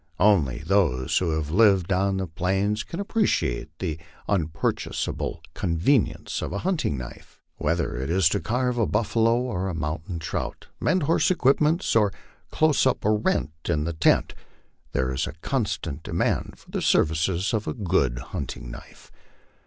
Only those who have lived on the plains can appreciate the unpurchasable convenience of a hunting knife. Whether it is to carve a buffalo or a mountain trout, mend horse equipments, or close up a rent in the tent, there is a constant demand for the services of a good hunting knife.